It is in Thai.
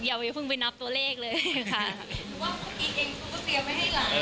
อย่าเพิ่งไปนับตัวเลขเลยค่ะ